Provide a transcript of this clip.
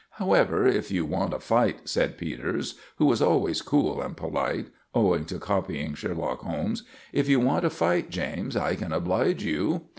"However, if you want a fight," said Peters, who was always cool and polite, owing to copying Sherlock Holmes, "if you want a fight, James, I can oblige you."